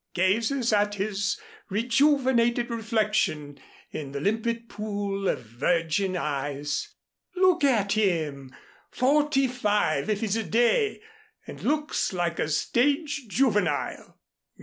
gazes at his rejuvenated reflection in the limpid pool of virgin eyes. Look at him! Forty five, if he's a day, and looks like a stage juvenile."